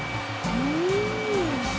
うん。